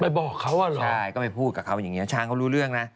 บอกเขาอ่ะเหรอใช่ก็ไปพูดกับเขาอย่างเงี้ช้างเขารู้เรื่องนะ